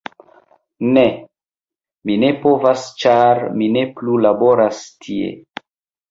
Ne. Mi ne povas ĉar mi ne plu laboras tie.